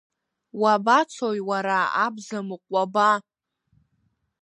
Уабацои уара, абзамыҟә, уаба?